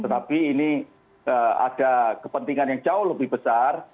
tetapi ini ada kepentingan yang jauh lebih besar